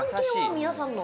皆さんの。